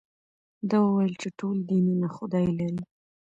ده وویل چې ټول دینونه خدای لري.